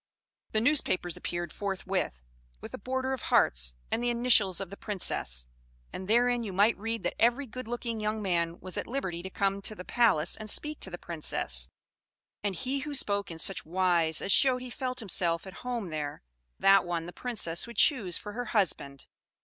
"The newspapers appeared forthwith with a border of hearts and the initials of the Princess; and therein you might read that every good looking young man was at liberty to come to the palace and speak to the Princess; and he who spoke in such wise as showed he felt himself at home there, that one the Princess would choose for her husband.